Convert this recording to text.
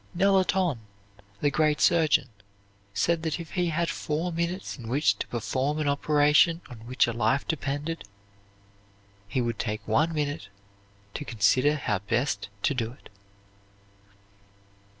Nelaton, the great surgeon, said that if he had four minutes in which to perform an operation on which a life depended, he would take one minute to consider how best to do it.